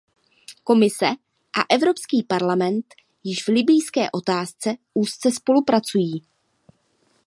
Komise a Evropský parlament již v libyjské otázce úzce spolupracují.